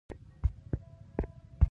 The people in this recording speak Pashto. ځوانان یې په دې تړاو نیولي دي